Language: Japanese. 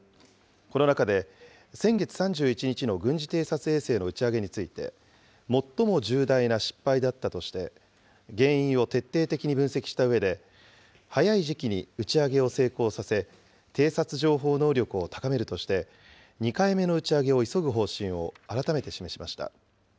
この中で、先月３１日の軍事偵察衛星の打ち上げについて、最も重大な失敗だったとして、原因を徹底的に分析したうえで、早い時期に打ち上げを成功させ、偵察情報能力を高めるとして、２回目の打ち上げを急ぐ方針を改めて示しました。